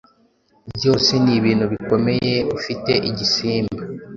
Byose ni ibintu bikomeye ufite igisimba